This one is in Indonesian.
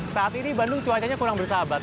saat ini bandung cuacanya kurang bersahabat